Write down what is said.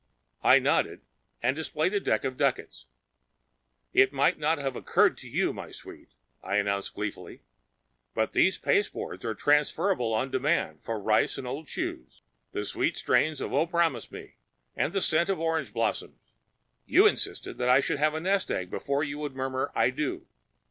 I nodded and displayed a deck of ducats. "It may not have occurred to you, my sweet," I announced gleefully, "but these pasteboards are transferrable on demand to rice and old shoes, the sweet strains of Oh, Promise Me! and the scent of orange blossoms. You insisted I should have a nest egg before you would murmur, 'I do'?